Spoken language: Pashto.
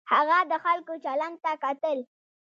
هغه د خلکو چلند ته کتل.